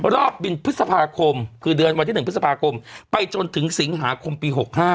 รอบบินพฤษภาคมคือเดือนวันที่๑พฤษภาคมไปจนถึงสิงหาคมปี๖๕